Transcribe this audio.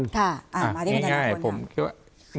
ค่ะมาที่บนทางหน้าคน